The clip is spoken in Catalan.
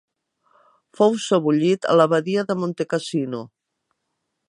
Fou sebollit a l'abadia de Montecassino.